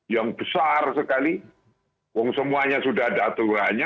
yang besar sekali wong semuanya sudah ada aturannya